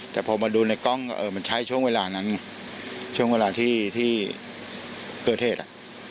แต่พอมาดูในกล้องมันใช้ช่วงเวลานั้นไงช่วงเวลาที่ที่เกิดเหตุอ่ะ